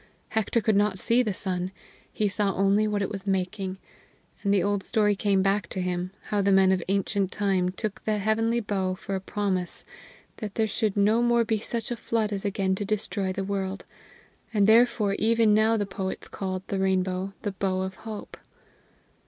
Hector could not see the sun; he saw only what it was making; and the old story came back to him, how the men of ancient time took the heavenly bow for a promise that there should no more be such a flood as again to destroy the world. And therefore even now the poets called the rainbow the bow of hope.